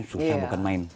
susah bukan main